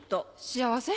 幸せ？